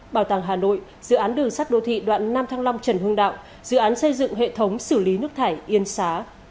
bảo tàng hà nội dự án đường sắt đô thị đoạn năm thăng long trần hương đạo dự án xây dựng hệ thống xử lý nước thải yên xá